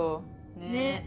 ねっ。